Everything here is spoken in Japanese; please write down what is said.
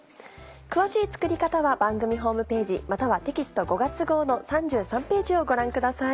詳しい作り方は番組ホームページまたはテキスト５月号の３３ページをご覧ください。